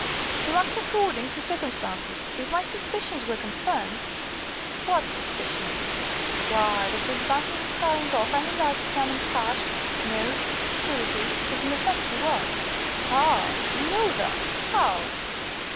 "To act according to circumstances. If my suspicions were confirmed " "What suspicions?" "Why that this banker was carrying off any large sum in cash, notes, securities, as in effect he was." "Ah! You know that? How?"